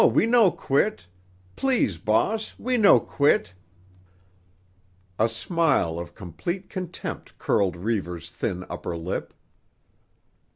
We no quit. Please, boss; we no quit." A smile of complete contempt curled Reivers' thin upper lip.